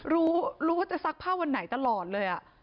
รู้รู้ว่าจะซักผ้าวันไหนตลอดเลย